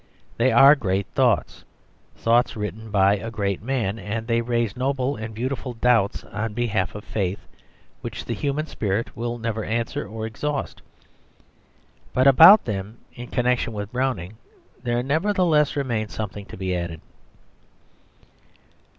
They are great thoughts, thoughts written by a great man, and they raise noble and beautiful doubts on behalf of faith which the human spirit will never answer or exhaust. But about them in connection with Browning there nevertheless remains something to be added.